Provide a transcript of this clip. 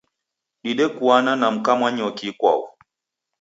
Dedekuana na mka Manyoki ikwau.